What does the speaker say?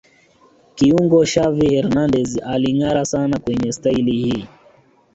Kiungo Xavi Hernandez alingâara sana kwenye staili hii